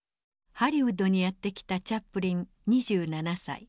ハリウッドにやって来たチャップリン２７歳。